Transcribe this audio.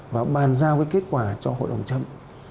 và bàn giao cái kết quả cho hội đồng chấm